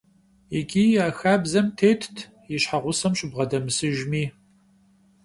Икӏи а хабзэм тетт и щхьэгъусэм щыбгъэдэмысыжми.